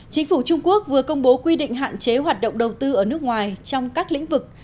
chính phủ trung quốc vừa công bố quy định hạn chế hoạt động đầu tư ở nước ngoài trong các lĩnh vực